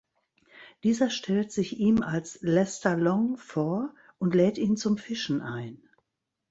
Dieser stellt sich ihm als „Lester Long“ vor und lädt ihn zum Fischen ein.